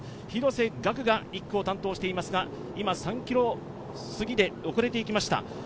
廣瀬岳が１区を担当していますが、今３ｋｍ過ぎで遅れていきました。